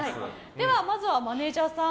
では、まずはマネジャーさん